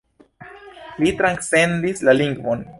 Li transcendis la lingvon.